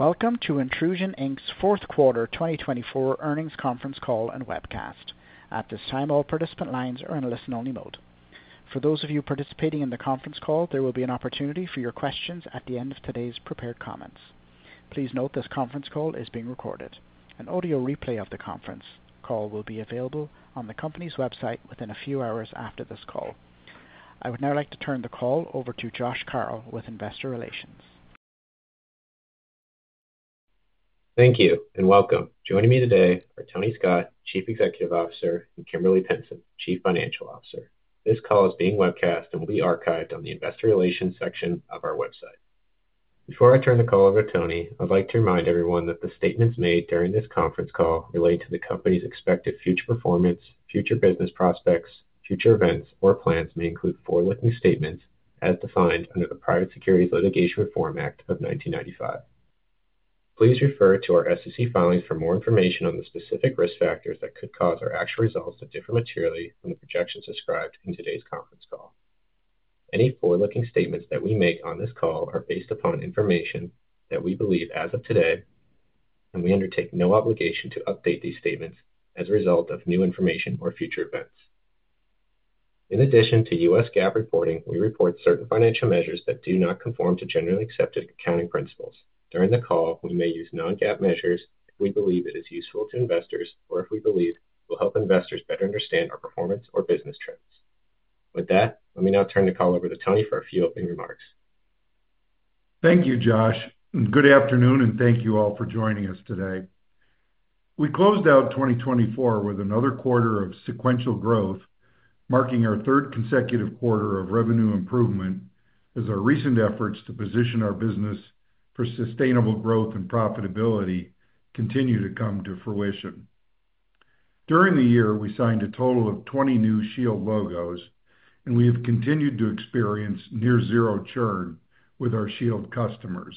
Welcome to Intrusion's Fourth Quarter 2024 Earnings Conference Call and Webcast. At this time, all participant lines are in a listen-only mode. For those of you participating in the conference call, there will be an opportunity for your questions at the end of today's prepared comments. Please note this conference call is being recorded. An audio replay of the conference call will be available on the company's website within a few hours after this call. I would now like to turn the call over to Josh Carroll with Investor Relations. Thank you and welcome. Joining me today are Tony Scott, Chief Executive Officer, and Kimberly Pinson, Chief Financial Officer. This call is being webcast and will be archived on the Investor Relations section of our website. Before I turn the call over to Tony, I'd like to remind everyone that the statements made during this conference call relate to the company's expected future performance, future business prospects, future events, or plans and may include forward-looking statements as defined under the Private Securities Litigation Reform Act of 1995. Please refer to our SEC filings for more information on the specific risk factors that could cause our actual results to differ materially from the projections described in today's conference call. Any forward-looking statements that we make on this call are based upon information that we believe as of today, and we undertake no obligation to update these statements as a result of new information or future events. In addition to U.S. GAAP reporting, we report certain financial measures that do not conform to generally accepted accounting principles. During the call, we may use non-GAAP measures if we believe it is useful to investors or if we believe it will help investors better understand our performance or business trends. With that, let me now turn the call over to Tony for a few opening remarks. Thank you, Josh. Good afternoon, and thank you all for joining us today. We closed out 2024 with another quarter of sequential growth, marking our third consecutive quarter of revenue improvement as our recent efforts to position our business for sustainable growth and profitability continue to come to fruition. During the year, we signed a total of 20 new Shield logos, and we have continued to experience near-zero churn with our Shield customers.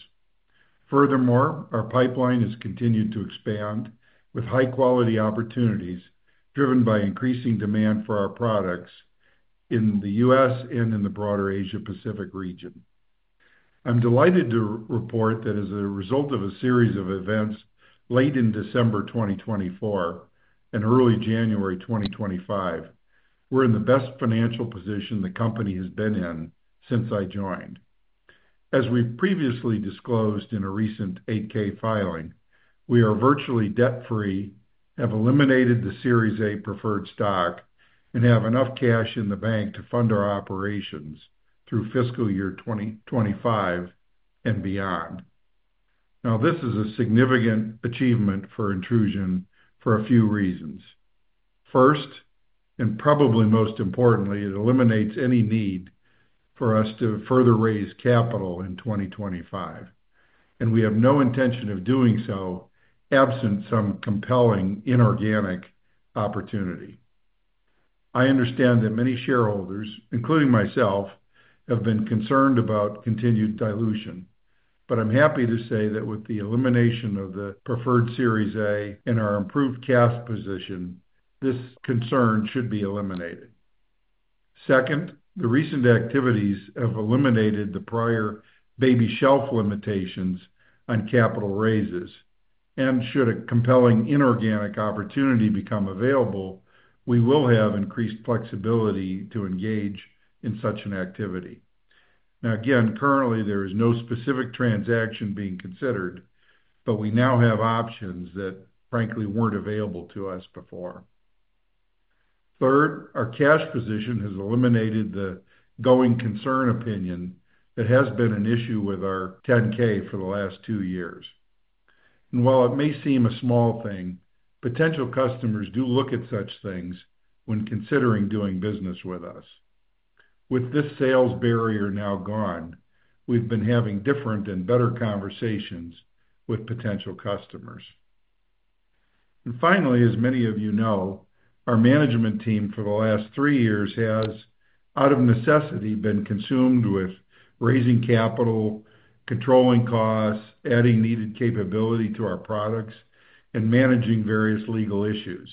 Furthermore, our pipeline has continued to expand with high-quality opportunities driven by increasing demand for our products in the U.S. and in the broader Asia-Pacific region. I'm delighted to report that as a result of a series of events late in December 2024 and early January 2025, we're in the best financial position the company has been in since I joined. As we previously disclosed in a recent 8-K filing, we are virtually debt-free, have eliminated the Series A preferred stock, and have enough cash in the bank to fund our operations through fiscal year 2025 and beyond. Now, this is a significant achievement for Intrusion for a few reasons. First, and probably most importantly, it eliminates any need for us to further raise capital in 2025, and we have no intention of doing so absent some compelling inorganic opportunity. I understand that many shareholders, including myself, have been concerned about continued dilution, but I'm happy to say that with the elimination of the preferred Series A and our improved cash position, this concern should be eliminated. Second, the recent activities have eliminated the prior baby shelf limitations on capital raises, and should a compelling inorganic opportunity become available, we will have increased flexibility to engage in such an activity. Now, again, currently, there is no specific transaction being considered, but we now have options that, frankly, were not available to us before. Third, our cash position has eliminated the going concern opinion that has been an issue with our 10-K for the last two years. While it may seem a small thing, potential customers do look at such things when considering doing business with us. With this sales barrier now gone, we have been having different and better conversations with potential customers. Finally, as many of you know, our management team for the last three years has, out of necessity, been consumed with raising capital, controlling costs, adding needed capability to our products, and managing various legal issues.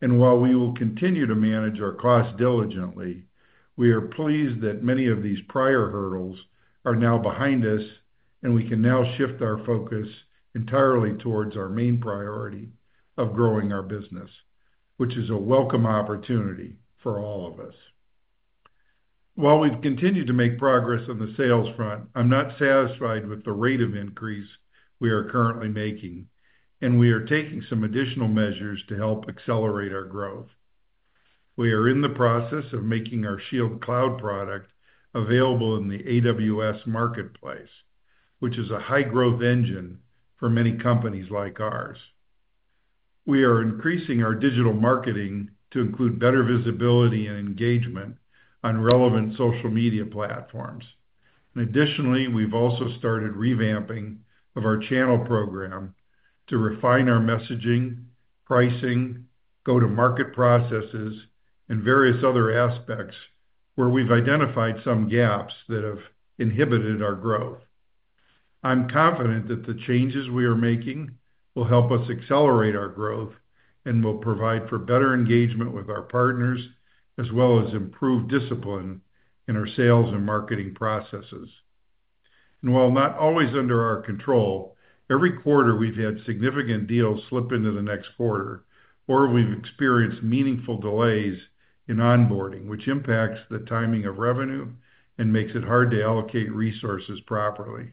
While we will continue to manage our costs diligently, we are pleased that many of these prior hurdles are now behind us, and we can now shift our focus entirely towards our main priority of growing our business, which is a welcome opportunity for all of us. While we've continued to make progress on the sales front, I'm not satisfied with the rate of increase we are currently making, and we are taking some additional measures to help accelerate our growth. We are in the process of making our Shield Cloud product available in the AWS Marketplace, which is a high-growth engine for many companies like ours. We are increasing our digital marketing to include better visibility and engagement on relevant social media platforms. Additionally, we've also started revamping our channel program to refine our messaging, pricing, go-to-market processes, and various other aspects where we've identified some gaps that have inhibited our growth. I'm confident that the changes we are making will help us accelerate our growth and will provide for better engagement with our partners as well as improved discipline in our sales and marketing processes. While not always under our control, every quarter we've had significant deals slip into the next quarter, or we've experienced meaningful delays in onboarding, which impacts the timing of revenue and makes it hard to allocate resources properly.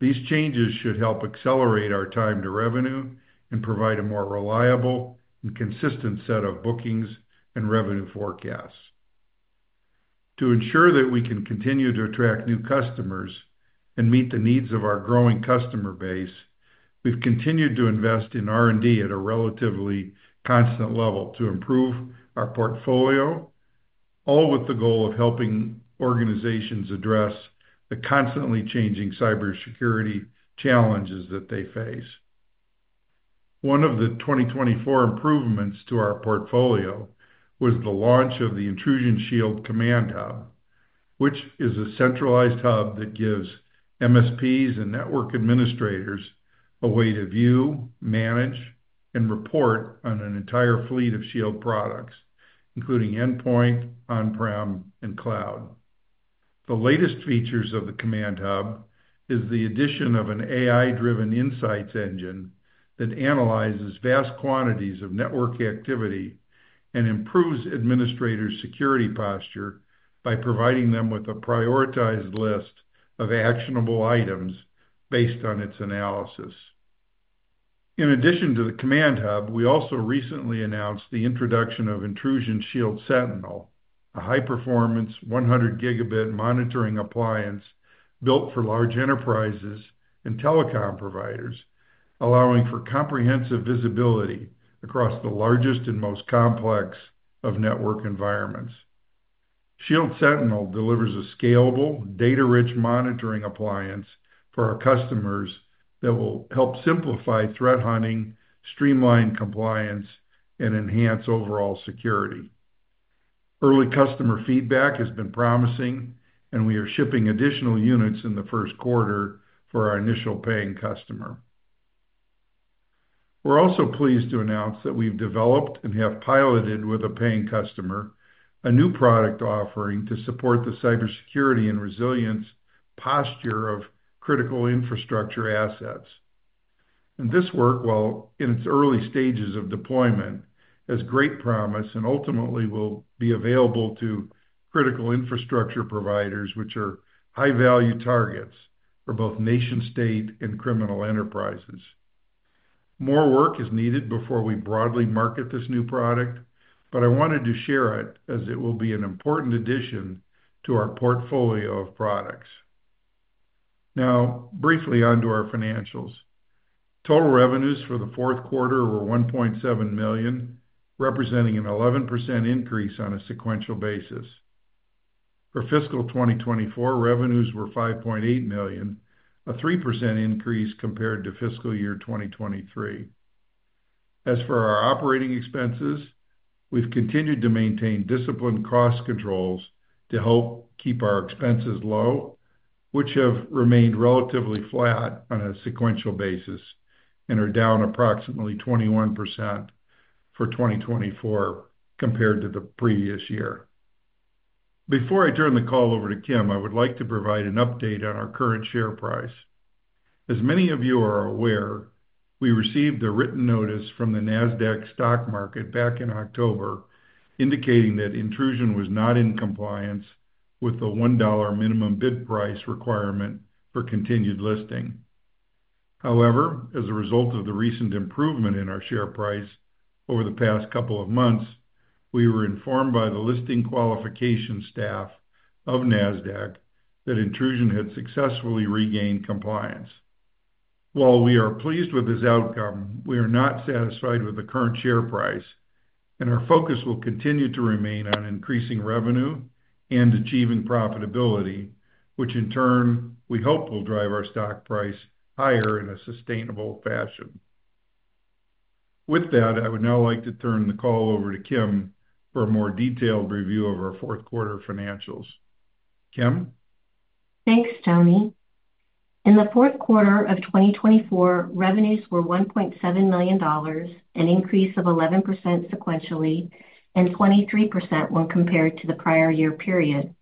These changes should help accelerate our time to revenue and provide a more reliable and consistent set of bookings and revenue forecasts. To ensure that we can continue to attract new customers and meet the needs of our growing customer base, we've continued to invest in R&D at a relatively constant level to improve our portfolio, all with the goal of helping organizations address the constantly changing cybersecurity challenges that they face. One of the 2024 improvements to our portfolio was the launch of the Intrusion Shield Command Hub, which is a centralized hub that gives MSPs and network administrators a way to view, manage, and report on an entire fleet of Shield products, including endpoint, on-prem, and cloud. The latest features of the Command Hub are the addition of an AI-driven insights engine that analyzes vast quantities of network activity and improves administrators' security posture by providing them with a prioritized list of actionable items based on its analysis. In addition to the Command Hub, we also recently announced the introduction of Intrusion Shield Sentinel, a high-performance 100-gigabit monitoring appliance built for large enterprises and telecom providers, allowing for comprehensive visibility across the largest and most complex of network environments. Shield Sentinel delivers a scalable, data-rich monitoring appliance for our customers that will help simplify threat hunting, streamline compliance, and enhance overall security. Early customer feedback has been promising, and we are shipping additional units in the first quarter for our initial paying customer. We are also pleased to announce that we have developed and have piloted with a paying customer a new product offering to support the cybersecurity and resilience posture of critical infrastructure assets. This work, while in its early stages of deployment, has great promise and ultimately will be available to critical infrastructure providers, which are high-value targets for both nation-state and criminal enterprises. More work is needed before we broadly market this new product, but I wanted to share it as it will be an important addition to our portfolio of products. Now, briefly onto our financials. Total revenues for the fourth quarter were $1.7 million, representing an 11% increase on a sequential basis. For fiscal 2024, revenues were $5.8 million, a 3% increase compared to fiscal year 2023. As for our operating expenses, we've continued to maintain disciplined cost controls to help keep our expenses low, which have remained relatively flat on a sequential basis and are down approximately 21% for 2024 compared to the previous year. Before I turn the call over to Kim, I would like to provide an update on our current share price. As many of you are aware, we received a written notice from the NASDAQ stock market back in October indicating that Intrusion was not in compliance with the $1 minimum bid price requirement for continued listing. However, as a result of the recent improvement in our share price over the past couple of months, we were informed by the listing qualification staff of NASDAQ that Intrusion had successfully regained compliance. While we are pleased with this outcome, we are not satisfied with the current share price, and our focus will continue to remain on increasing revenue and achieving profitability, which in turn we hope will drive our stock price higher in a sustainable fashion. With that, I would now like to turn the call over to Kim for a more detailed review of our fourth quarter financials. Kim? Thanks, Tony. In the fourth quarter of 2024, revenues were $1.7 million, an increase of 11% sequentially and 23% when compared to the prior year period.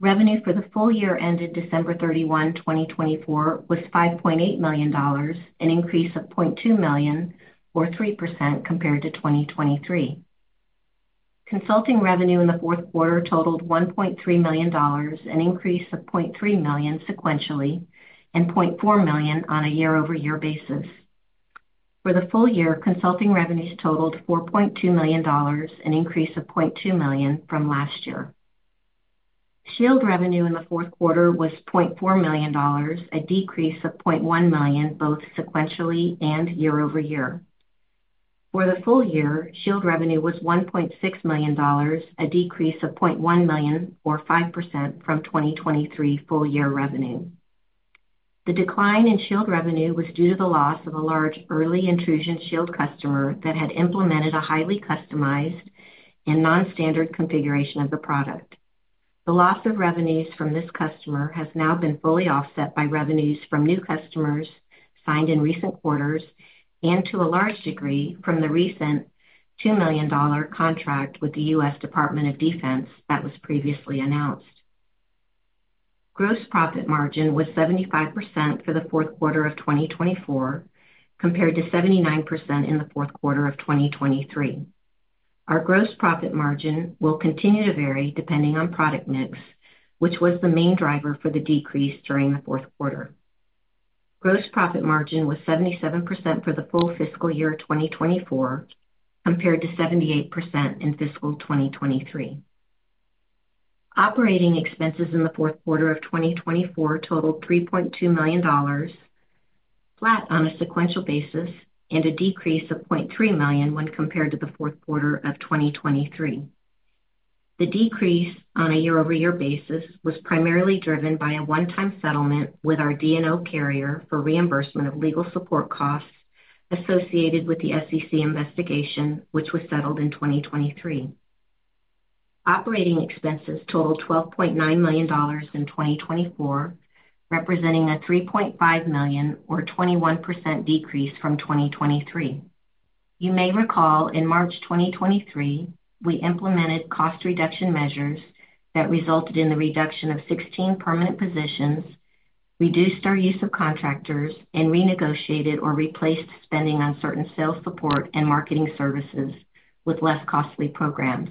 Revenue for the full year ended December 31, 2024, was $5.8 million, an increase of $0.2 million or 3% compared to 2023. Consulting revenue in the fourth quarter totaled $1.3 million, an increase of $0.3 million sequentially and $0.4 million on a year-over-year basis. For the full year, consulting revenues totaled $4.2 million, an increase of $0.2 million from last year. Shield revenue in the fourth quarter was $0.4 million, a decrease of $0.1 million both sequentially and year-over-year. For the full year, Shield revenue was $1.6 million, a decrease of $0.1 million or 5% from 2023 full year revenue. The decline in Shield revenue was due to the loss of a large early Intrusion Shield customer that had implemented a highly customized and non-standard configuration of the product. The loss of revenues from this customer has now been fully offset by revenues from new customers signed in recent quarters and to a large degree from the recent $2 million contract with the U.S. Department of Defense that was previously announced. Gross profit margin was 75% for the fourth quarter of 2024 compared to 79% in the fourth quarter of 2023. Our gross profit margin will continue to vary depending on product mix, which was the main driver for the decrease during the fourth quarter. Gross profit margin was 77% for the full fiscal year 2024 compared to 78% in fiscal 2023. Operating expenses in the fourth quarter of 2024 totaled $3.2 million, flat on a sequential basis, and a decrease of $0.3 million when compared to the fourth quarter of 2023. The decrease on a year-over-year basis was primarily driven by a one-time settlement with our D&O carrier for reimbursement of legal support costs associated with the SEC investigation, which was settled in 2023. Operating expenses totaled $12.9 million in 2024, representing a $3.5 million or 21% decrease from 2023. You may recall in March 2023, we implemented cost reduction measures that resulted in the reduction of 16 permanent positions, reduced our use of contractors, and renegotiated or replaced spending on certain sales support and marketing services with less costly programs.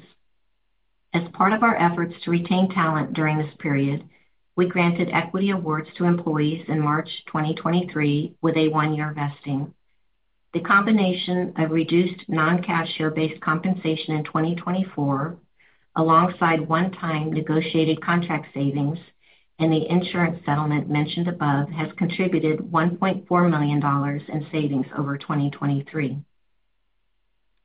As part of our efforts to retain talent during this period, we granted equity awards to employees in March 2023 with a one-year vesting. The combination of reduced non-cash share-based compensation in 2024 alongside one-time negotiated contract savings and the insurance settlement mentioned above has contributed $1.4 million in savings over 2023.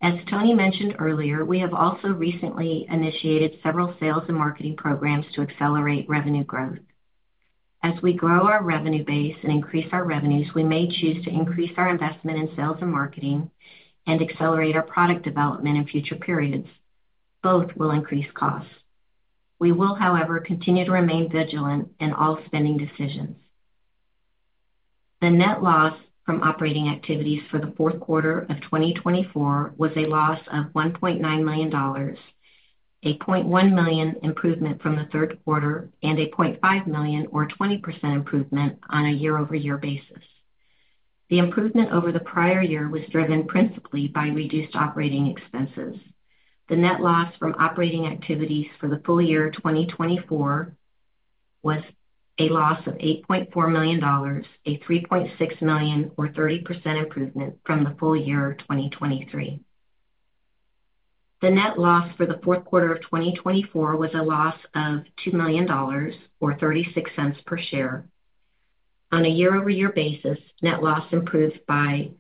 As Tony mentioned earlier, we have also recently initiated several sales and marketing programs to accelerate revenue growth. As we grow our revenue base and increase our revenues, we may choose to increase our investment in sales and marketing and accelerate our product development in future periods. Both will increase costs. We will, however, continue to remain vigilant in all spending decisions. The net loss from operating activities for the fourth quarter of 2024 was a loss of $1.9 million, a $0.1 million improvement from the third quarter, and a $0.5 million or 20% improvement on a year-over-year basis. The improvement over the prior year was driven principally by reduced operating expenses. The net loss from operating activities for the full year 2024 was a loss of $8.4 million, a $3.6 million or 30% improvement from the full year 2023. The net loss for the fourth quarter of 2024 was a loss of $2 million or $0.36 per share. On a year-over-year basis, net loss improved by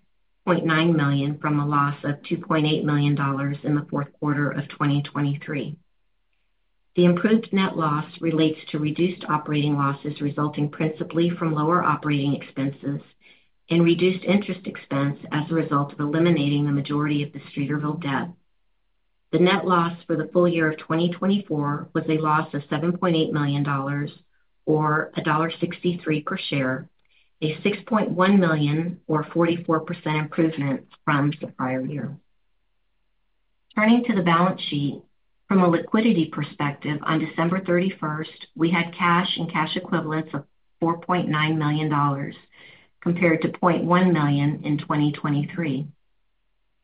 $0.9 million from a loss of $2.8 million in the fourth quarter of 2023. The improved net loss relates to reduced operating losses resulting principally from lower operating expenses and reduced interest expense as a result of eliminating the majority of the Streeterville debt. The net loss for the full year of 2024 was a loss of $7.8 million or $1.63 per share, a $6.1 million or 44% improvement from the prior year. Turning to the balance sheet, from a liquidity perspective, on December 31st, we had cash and cash equivalents of $4.9 million compared to $0.1 million in 2023.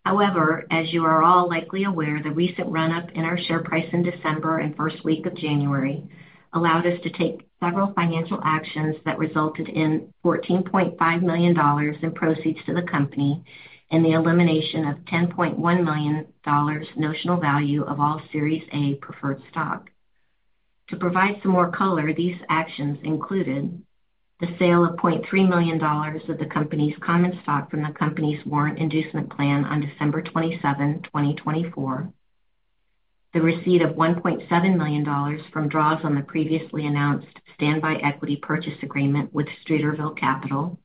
However, as you are all likely aware, the recent run-up in our share price in December and first week of January allowed us to take several financial actions that resulted in $14.5 million in proceeds to the company and the elimination of $10.1 million notional value of all Series A preferred stock. To provide some more color, these actions included the sale of $0.3 million of the company's common stock from the company's warrant inducement plan on December 27, 2024, the receipt of $1.7 million from draws on the previously announced standby equity purchase agreement with Streeterville Capital,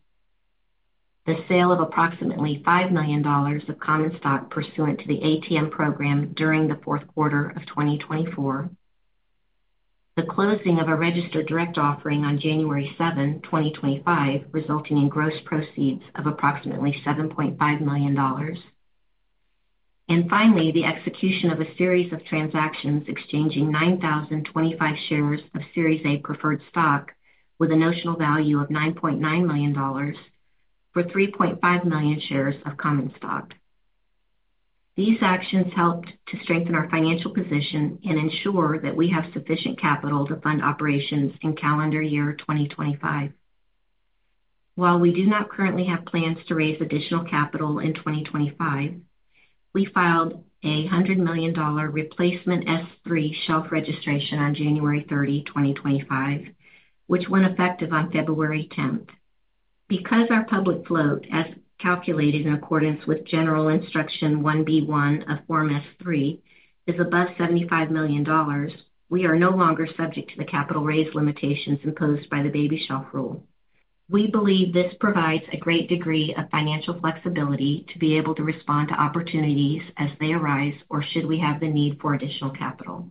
the sale of approximately $5 million of common stock pursuant to the ATM program during the fourth quarter of 2024, the closing of a registered direct offering on January 7, 2025, resulting in gross proceeds of approximately $7.5 million. Finally, the execution of a series of transactions exchanging 9,025 shares of Series A preferred stock with a notional value of $9.9 million for 3.5 million shares of common stock. These actions helped to strengthen our financial position and ensure that we have sufficient capital to fund operations in calendar year 2025. While we do not currently have plans to raise additional capital in 2025, we filed a $100 million replacement S-3 shelf registration on January 30, 2025, which went effective on February 10th. Because our public float, as calculated in accordance with General Instruction .B.1 of Form S-3, is above $75 million, we are no longer subject to the capital raise limitations imposed by the baby shelf rule. We believe this provides a great degree of financial flexibility to be able to respond to opportunities as they arise or should we have the need for additional capital.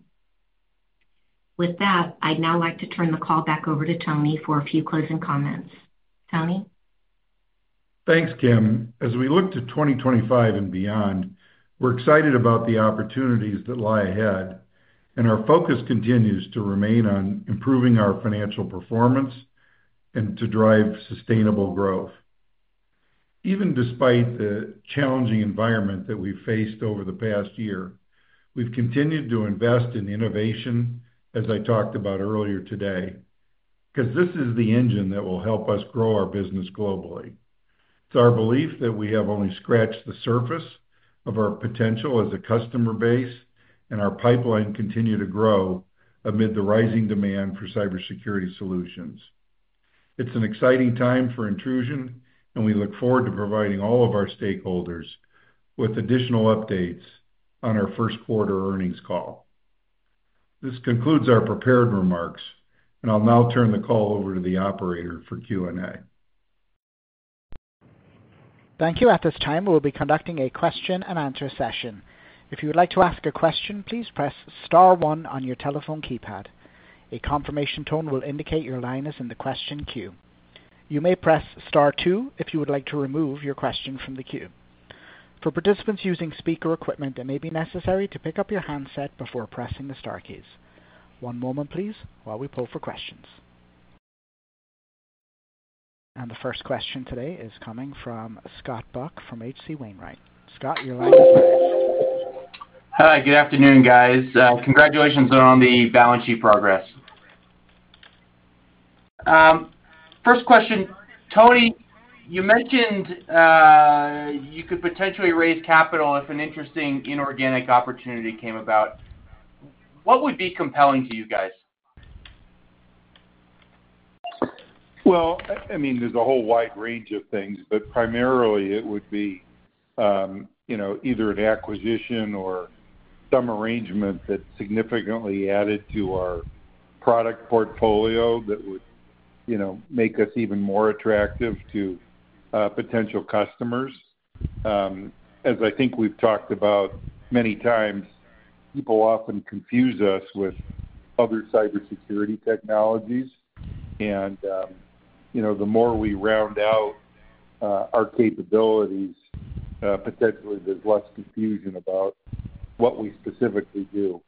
With that, I'd now like to turn the call back over to Tony for a few closing comments. Tony? Thanks, Kim. As we look to 2025 and beyond, we're excited about the opportunities that lie ahead, and our focus continues to remain on improving our financial performance and to drive sustainable growth. Even despite the challenging environment that we've faced over the past year, we've continued to invest in innovation, as I talked about earlier today, because this is the engine that will help us grow our business globally. It's our belief that we have only scratched the surface of our potential as a customer base, and our pipeline continues to grow amid the rising demand for cybersecurity solutions. It's an exciting time for Intrusion, and we look forward to providing all of our stakeholders with additional updates on our first quarter earnings call. This concludes our prepared remarks, and I'll now turn the call over to the operator for Q&A. Thank you. At this time, we'll be conducting a question-and-answer session. If you would like to ask a question, please press star one on your telephone keypad. A confirmation tone will indicate your line is in the question queue. You may press star two if you would like to remove your question from the queue. For participants using speaker equipment, it may be necessary to pick up your handset before pressing the star keys. One moment, please, while we pull for questions. The first question today is coming from Scott Buck from H.C. Wainwright. Scott, your line is first. Hi, good afternoon, guys. Congratulations on the balance sheet progress. First question, Tony, you mentioned you could potentially raise capital if an interesting inorganic opportunity came about. What would be compelling to you guys? I mean, there's a whole wide range of things, but primarily it would be either an acquisition or some arrangement that significantly added to our product portfolio that would make us even more attractive to potential customers. As I think we've talked about many times, people often confuse us with other cybersecurity technologies, and the more we round out our capabilities, potentially there's less confusion about what we specifically do.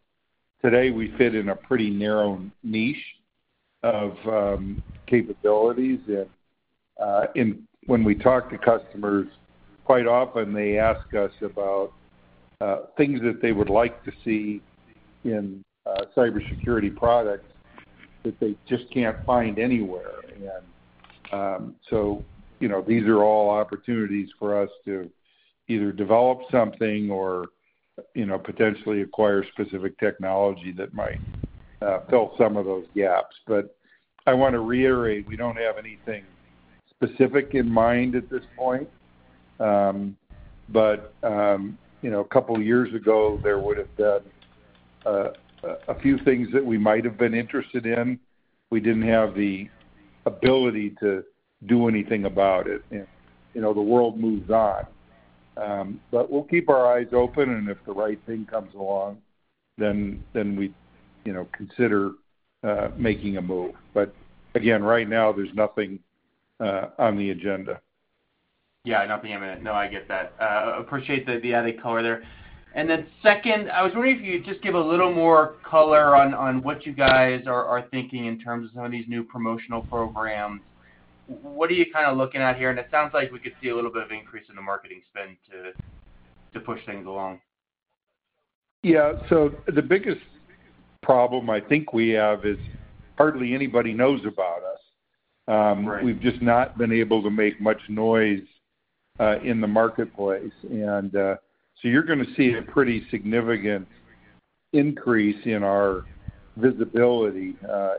Today, we fit in a pretty narrow niche of capabilities, and when we talk to customers, quite often they ask us about things that they would like to see in cybersecurity products that they just can't find anywhere. These are all opportunities for us to either develop something or potentially acquire specific technology that might fill some of those gaps. I want to reiterate, we don't have anything specific in mind at this point, but a couple of years ago, there would have been a few things that we might have been interested in. We didn't have the ability to do anything about it. The world moves on. We'll keep our eyes open, and if the right thing comes along, then we consider making a move. Again, right now, there's nothing on the agenda. Yeah, nothing on the agenda. No, I get that. Appreciate the added color there. I was wondering if you could just give a little more color on what you guys are thinking in terms of some of these new promotional programs. What are you kind of looking at here? It sounds like we could see a little bit of increase in the marketing spend to push things along. Yeah. The biggest problem I think we have is hardly anybody knows about us. We've just not been able to make much noise in the marketplace. You're going to see a pretty significant increase in our visibility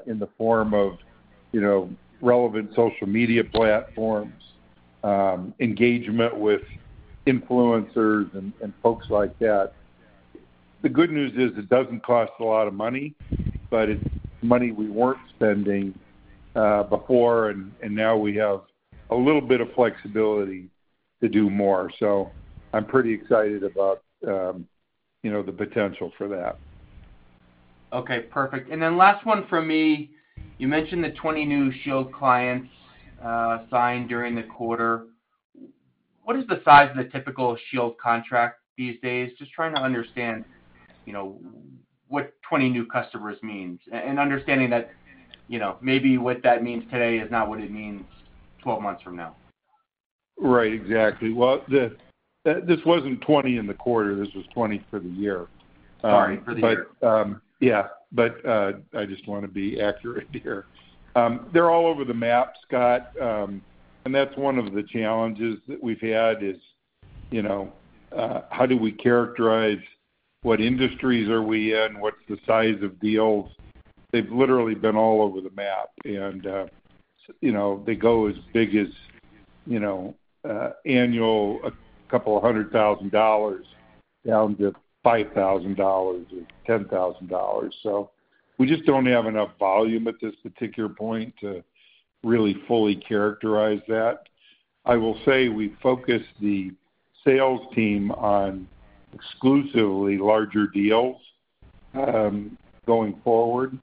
in the form of relevant social media platforms, engagement with influencers, and folks like that. The good news is it doesn't cost a lot of money, but it's money we weren't spending before, and now we have a little bit of flexibility to do more. I'm pretty excited about the potential for that. Okay. Perfect. Last one from me. You mentioned the 20 new Shield clients signed during the quarter. What is the size of the typical Shield contract these days? Just trying to understand what 20 new customers means and understanding that maybe what that means today is not what it means 12 months from now. Right. Exactly. This was not 20 in the quarter. This was 20 for the year. Sorry for the year. Yeah, I just want to be accurate here. They're all over the map, Scott. That's one of the challenges that we've had is how do we characterize what industries are we in, what's the size of deals? They've literally been all over the map, and they go as big as annual, a couple of hundred thousand dollars down to $5,000 or $10,000. We just don't have enough volume at this particular point to really fully characterize that. I will say we focus the sales team on exclusively larger deals going forward,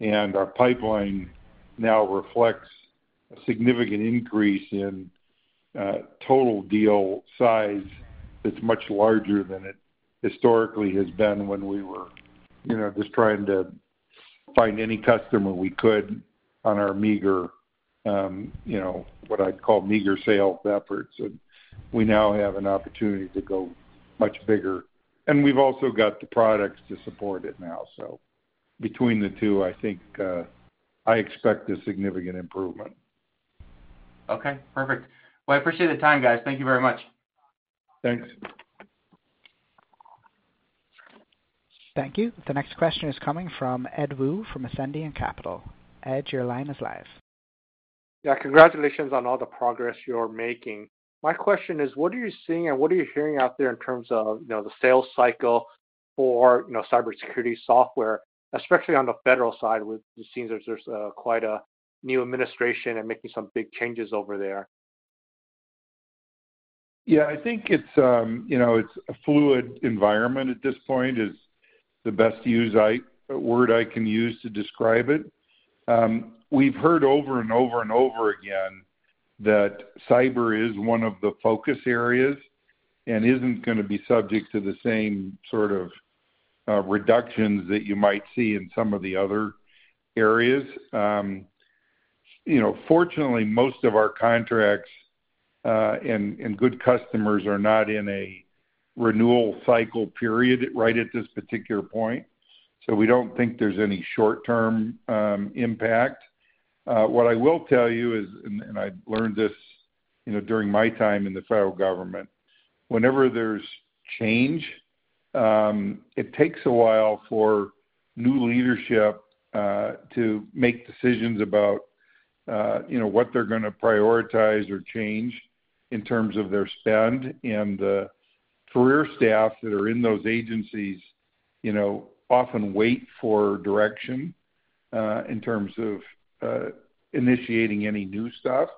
and our pipeline now reflects a significant increase in total deal size that's much larger than it historically has been when we were just trying to find any customer we could on our meager, what I'd call meager sales efforts. We now have an opportunity to go much bigger. We have also got the products to support it now. Between the two, I think I expect a significant improvement. Okay. Perfect. I appreciate the time, guys. Thank you very much. Thanks. Thank you. The next question is coming from Ed Woo from Ascendiant Capital. Ed, your line is live. Yeah. Congratulations on all the progress you're making. My question is, what are you seeing and what are you hearing out there in terms of the sales cycle for cybersecurity software, especially on the federal side, where it seems there's quite a new administration and making some big changes over there? Yeah. I think it's a fluid environment at this point is the best word I can use to describe it. We've heard over and over and over again that cyber is one of the focus areas and isn't going to be subject to the same sort of reductions that you might see in some of the other areas. Fortunately, most of our contracts and good customers are not in a renewal cycle period right at this particular point, so we don't think there's any short-term impact. What I will tell you is, I learned this during my time in the federal government, whenever there's change, it takes a while for new leadership to make decisions about what they're going to prioritize or change in terms of their spend. The career staff that are in those agencies often wait for direction in terms of initiating any new stuff.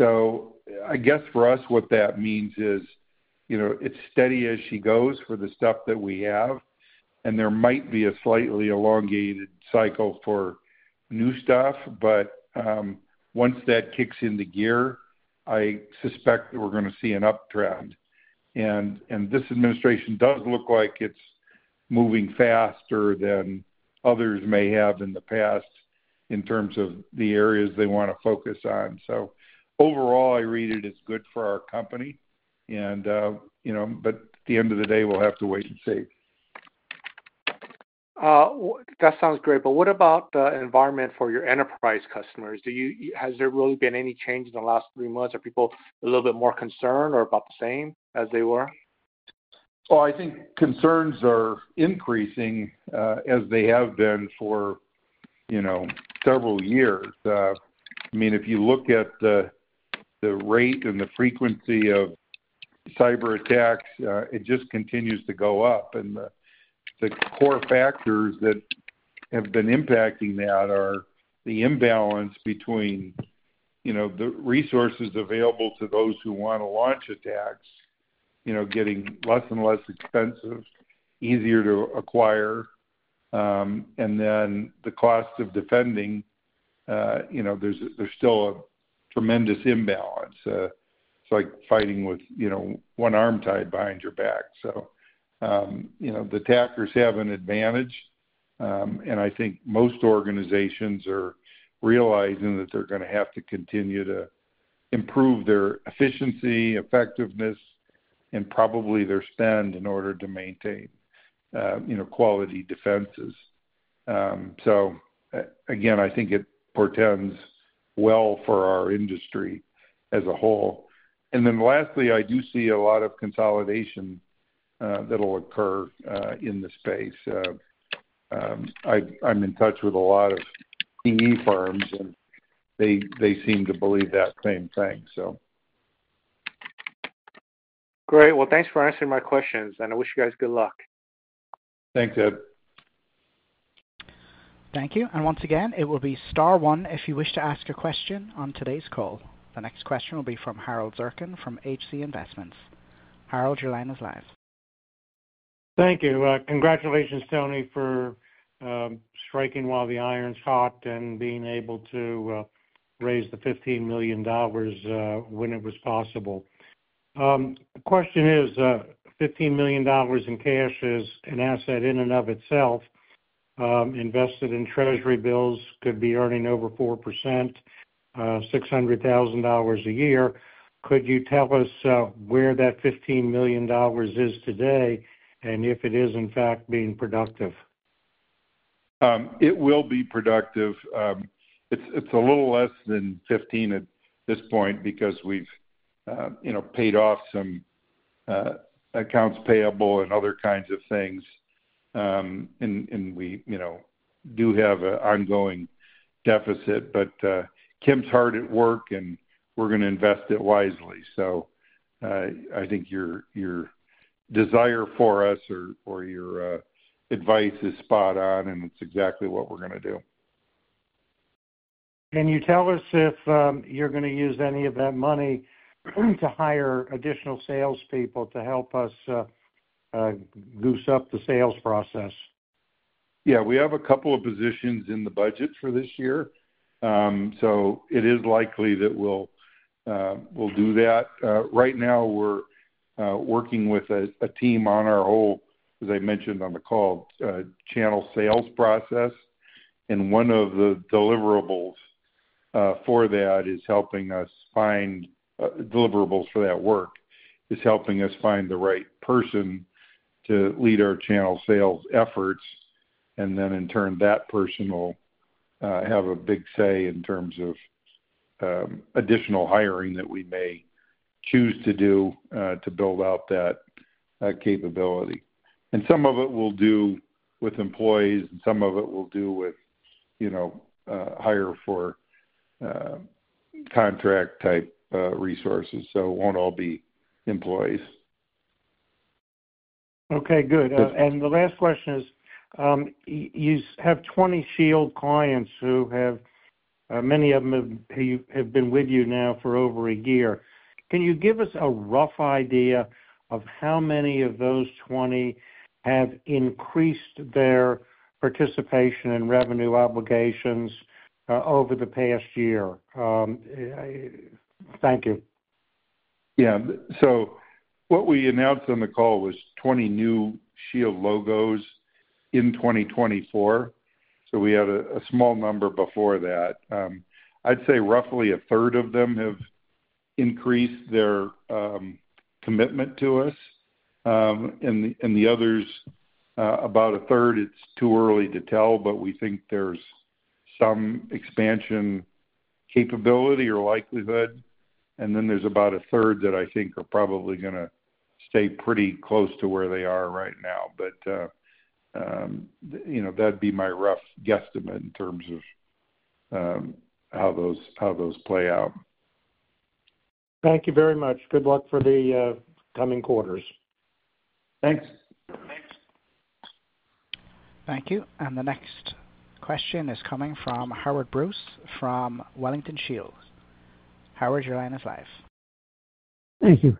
I guess for us, what that means is it's steady as she goes for the stuff that we have, and there might be a slightly elongated cycle for new stuff. Once that kicks into gear, I suspect that we're going to see an uptrend. This administration does look like it's moving faster than others may have in the past in terms of the areas they want to focus on. Overall, I read it as good for our company. At the end of the day, we'll have to wait and see. That sounds great. What about the environment for your enterprise customers? Has there really been any change in the last three months? Are people a little bit more concerned or about the same as they were? Oh, I think concerns are increasing as they have been for several years. I mean, if you look at the rate and the frequency of cyber attacks, it just continues to go up. The core factors that have been impacting that are the imbalance between the resources available to those who want to launch attacks getting less and less expensive, easier to acquire, and then the cost of defending. There's still a tremendous imbalance. It's like fighting with one arm tied behind your back. The attackers have an advantage, and I think most organizations are realizing that they're going to have to continue to improve their efficiency, effectiveness, and probably their spend in order to maintain quality defenses. I think it portends well for our industry as a whole. Lastly, I do see a lot of consolidation that will occur in the space. I'm in touch with a lot of PE firms, and they seem to believe that same thing. Great. Thanks for answering my questions, and I wish you guys good luck. Thanks, Ed. Thank you. Once again, it will be star one if you wish to ask a question on today's call. The next question will be from Harold Zirkin from HC Investments. Harold, your line is live. Thank you. Congratulations, Tony, for striking while the iron's hot and being able to raise the $15 million when it was possible. The question is, $15 million in cash is an asset in and of itself. Invested in Treasury bills could be earning over 4%, $600,000 a year. Could you tell us where that $15 million is today and if it is, in fact, being productive? It will be productive. It's a little less than 15 at this point because we've paid off some accounts payable and other kinds of things, and we do have an ongoing deficit. Kim's hard at work, and we're going to invest it wisely. I think your desire for us or your advice is spot on, and it's exactly what we're going to do. Can you tell us if you're going to use any of that money to hire additional salespeople to help us goose up the sales process? Yeah. We have a couple of positions in the budget for this year, so it is likely that we'll do that. Right now, we're working with a team on our whole, as I mentioned on the call, channel sales process. One of the deliverables for that is helping us find the right person to lead our channel sales efforts. In turn, that person will have a big say in terms of additional hiring that we may choose to do to build out that capability. Some of it we'll do with employees, and some of it we'll hire for contract-type resources. It won't all be employees. Okay. Good. The last question is, you have 20 Shield clients who have, many of them have been with you now for over a year. Can you give us a rough idea of how many of those 20 have increased their participation in revenue obligations over the past year? Thank you. Yeah. What we announced on the call was 20 new Shield logos in 2024. We had a small number before that. I'd say roughly a third of them have increased their commitment to us. The others, about a third, it's too early to tell, but we think there's some expansion capability or likelihood. There's about a third that I think are probably going to stay pretty close to where they are right now. That'd be my rough guesstimate in terms of how those play out. Thank you very much. Good luck for the coming quarters. Thanks. Thank you. The next question is coming from Howard Bruce from Wellington Shields. Howard, your line is live. Thank you.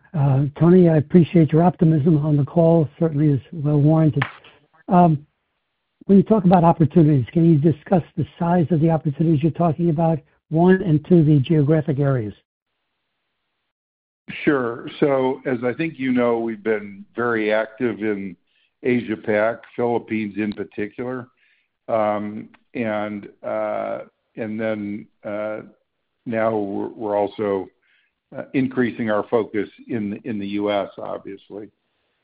Tony, I appreciate your optimism on the call. Certainly, it's well-warranted. When you talk about opportunities, can you discuss the size of the opportunities you're talking about, one and two of the geographic areas? Sure. As I think you know, we've been very active in Asia-Pacific, Philippines in particular. Now we're also increasing our focus in the U.S., obviously.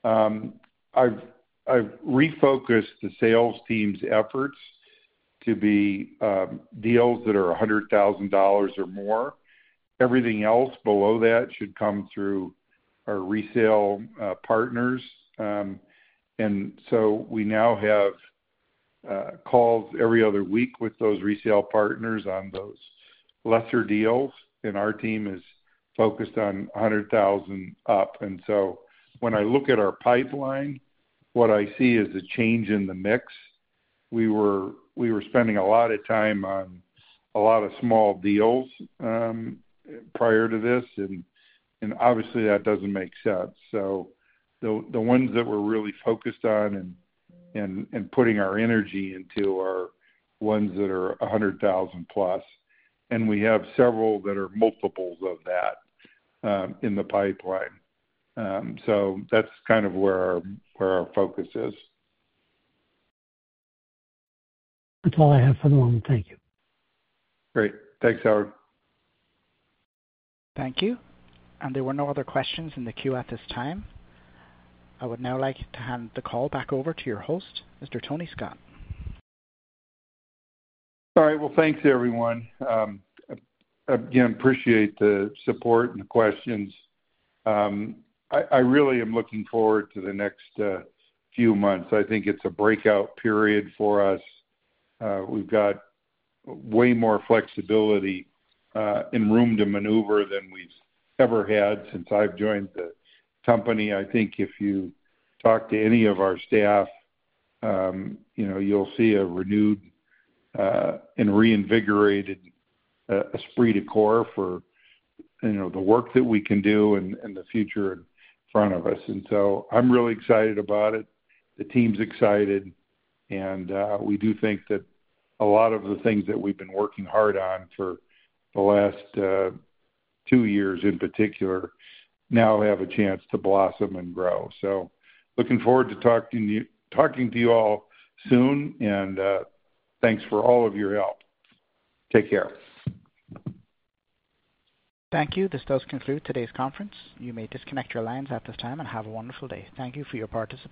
I've refocused the sales team's efforts to be deals that are $100,000 or more. Everything else below that should come through our resale partners. We now have calls every other week with those resale partners on those lesser deals, and our team is focused on $100,000 up. When I look at our pipeline, what I see is a change in the mix. We were spending a lot of time on a lot of small deals prior to this, and obviously, that doesn't make sense. The ones that we're really focused on and putting our energy into are ones that are $100,000 plus. We have several that are multiples of that in the pipeline. That's kind of where our focus is. That's all I have for the moment. Thank you. Great. Thanks, Howard. Thank you. There were no other questions in the queue at this time. I would now like to hand the call back over to your host, Mr. Tony Scott. All right. Thanks, everyone. Again, appreciate the support and the questions. I really am looking forward to the next few months. I think it's a breakout period for us. We've got way more flexibility and room to maneuver than we've ever had since I've joined the company. I think if you talk to any of our staff, you'll see a renewed and reinvigorated esprit de corps for the work that we can do and the future in front of us. I am really excited about it. The team's excited. We do think that a lot of the things that we've been working hard on for the last two years in particular now have a chance to blossom and grow. Looking forward to talking to you all soon. Thanks for all of your help. Take care. Thank you. This does conclude today's conference. You may disconnect your lines at this time and have a wonderful day. Thank you for your participation.